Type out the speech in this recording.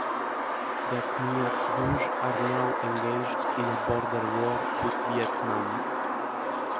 The Khmer Rouge are now engaged in a border war with Vietnam.